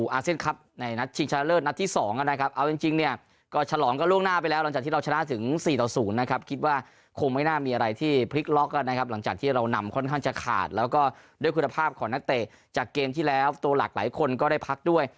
อาเซียนครับในนัดชิงชนะเลิศนัดที่๒นะครับเอาจริงเนี่ยก็ฉลองกันล่วงหน้าไปแล้วหลังจากที่เราชนะถึง๔ต่อ๐นะครับคิดว่าคงไม่น่ามีอะไรที่พลิกล็อกกันนะครับหลังจากที่เรานำค่อนข้างจะขาดแล้วก็ด้วยคุณภาพของนักเตะจากเกมที่แล้วตัวหลักหลายคนก็ได้พักด้วย